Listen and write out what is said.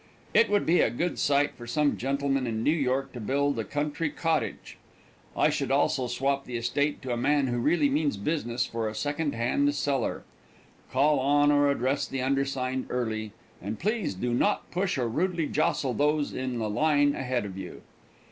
It would be a good site for some gentleman in New York to build a country cottage. I should also swap the estate to a man who really means business for a second hand cellar. Call on or address the undersigned early, and please do not push or rudely jostle those in the line ahead of you.